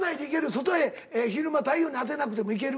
外へ昼間太陽に当てなくてもいける？